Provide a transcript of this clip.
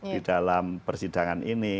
di dalam persidangan ini